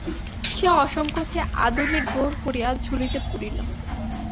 সে অসংকোচে আধুলি গ্রহণ করিয়া ঝুলিতে পুরিল।